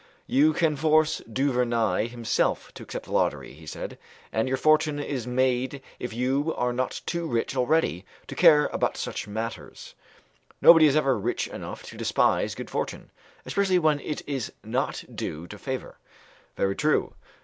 "You can force Du Vernai himself to accept the lottery," he said, "and your fortune is made if you are not too rich already to care about such matters." "Nobody is ever rich enough to despise good fortune, especially when it is not due to favour." "Very true.